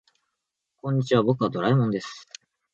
こんにちは、僕はドラえもんです。